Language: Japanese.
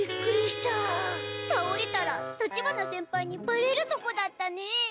たおれたら立花先輩にバレるとこだったね。